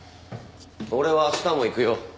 俺は明日も行くよ。